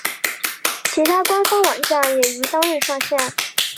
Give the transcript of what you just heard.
其官方网站也于当日上线。